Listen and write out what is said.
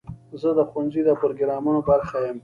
زه د ښوونځي د پروګرامونو برخه یم.